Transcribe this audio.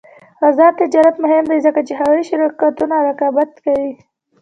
آزاد تجارت مهم دی ځکه چې هوايي شرکتونه رقابت کوي.